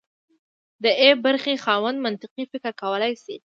د ای برخې خاوند منطقي فکر کولی شي.